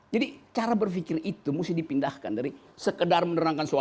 jadi cara berpikir itu mesti dipindahkan dari sekedar menerangkan keadaan